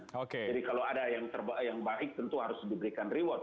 kalau ada yang baik tentu harus diberikan reward